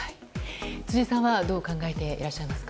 辻さんはどう考えていらっしゃいますか。